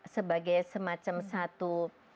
sebagai semacam satu